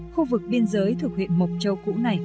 khu vực biên giới thuộc huyện mộc châu cũ này